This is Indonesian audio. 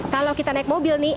kalau kita naik mobil nih